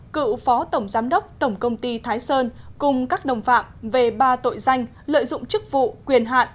cựu phó tổng giám đốc tổng công ty thái sơn cùng các đồng phạm về ba tội danh lợi dụng chức vụ quyền hạn